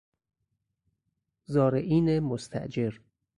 زارعین مستأجر